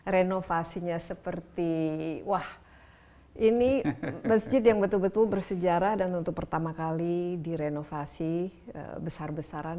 renovasinya seperti wah ini masjid yang betul betul bersejarah dan untuk pertama kali direnovasi besar besaran